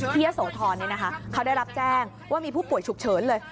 ที่อโศษนเนี่ยนะคะเค้าได้รับแจ้งว่ามีผู้ป่วยฉุกเฉินเลย